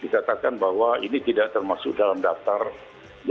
ya kenal baik lahulerlsthey